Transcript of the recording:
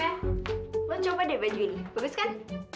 eh meh lo coba deh baju ini bagus kan